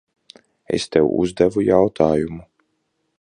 Es tev uzdevu jautājumu.